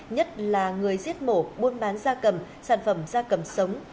nhất là người giết mổ buôn bán gia cầm sản phẩm gia cầm sống